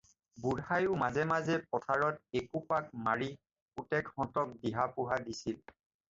বুঢ়ায়ো মাজে মাজে পথাৰত একো পাক মাৰি পুতেকহঁতক দিহা-পোহা দিছিল।